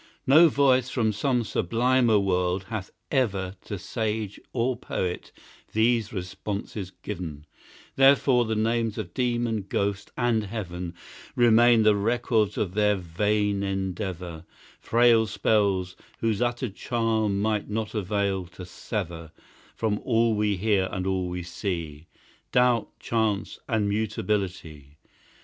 No voice from some sublimer world hath ever To sage or poet these responses given Therefore the names of Demon, Ghost, and Heaven, Remain the records of their vain endeavour, Frail spells whose uttered charm might not avail to sever, From all we hear and all we see, Doubt, chance, and mutability.